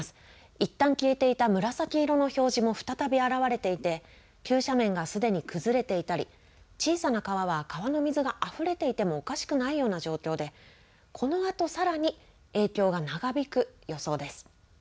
いったん消えていた紫色の表示も再び現れていて、急斜面がすでに崩れていたり、小さな川は川の水があふれていてもおかしくないような状況でこのあとさらに影響が長引く予想です。